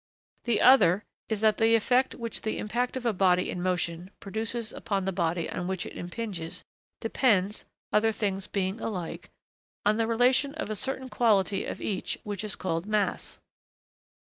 The other is that the effect which the impact of a body in motion produces upon the body on which it impinges depends, other things being alike, on the relation of a certain quality of each which is called 'mass.'